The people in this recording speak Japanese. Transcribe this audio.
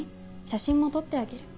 写真も撮ってあげる」。